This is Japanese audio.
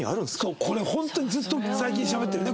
そうこれホントにずっと最近しゃべってるね